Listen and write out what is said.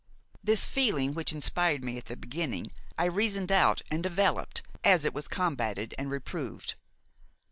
This feeling which inspired me at the beginning I reasoned out and developed as it was combated and reproved.